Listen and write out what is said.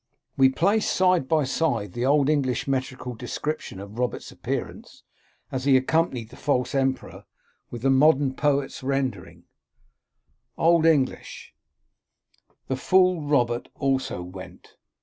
We place side by side the Old English metrical descrip tion of Robert's appearance, as he accompanied the false emperor, with the modern poet's rendering : Old English The fool Robert also went.